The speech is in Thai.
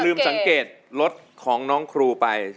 สังเกตรถของน้องครูไป